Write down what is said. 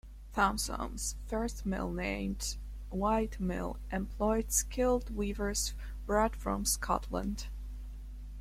Thompson's first mill, named "White Mill", employed skilled weavers brought from Scotland.